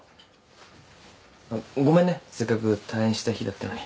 あっごめんねせっかく退院した日だってのに。